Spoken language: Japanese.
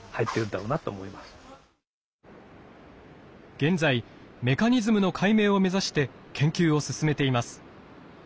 現在メカニズムの解明を目指して研究を進めています。